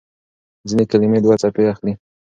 ځينې کلمې دوه څپې اخلي.